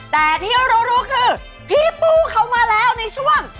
แต่ที่เรารู้คือพี่ปูเขามาแล้วในช่วง